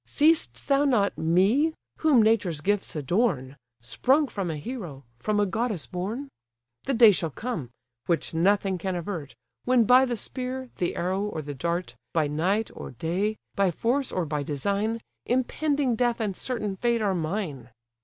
Seest thou not me, whom nature's gifts adorn, Sprung from a hero, from a goddess born? The day shall come (which nothing can avert) When by the spear, the arrow, or the dart, By night, or day, by force, or by design, Impending death and certain fate are mine!